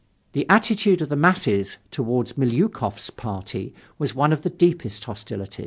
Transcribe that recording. The attitude of the masses toward Milyukov's party was one of the deepest hostility.